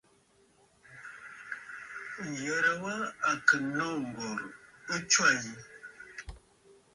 Ǹyərə wa à kɨ̀ nô ŋ̀gòrə̀ ɨ tswâ yi.